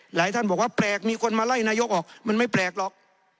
ท่านบอกว่าแปลกมีคนมาไล่นายกออกมันไม่แปลกหรอก